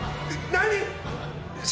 何？